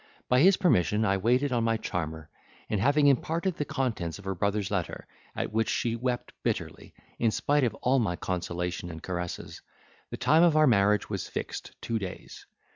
By his permission I waited on my charmer: and having imparted the contents of her brother's letter, at which she wept bitterly, in spite of all my consolation and caresses, the time of our marriage was fixed two days.